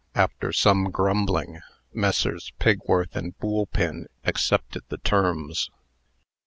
After some grumbling, Messrs. Pigworth and Boolpin accepted the terms.